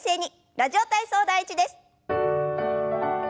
「ラジオ体操第１」です。